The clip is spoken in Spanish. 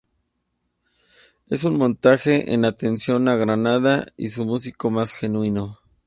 Es un montaje en atención a Granada y su músico más genuino.